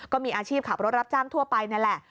ก็มีอาชีพขับรถรับจ้างทั่วไปนั่นแหละ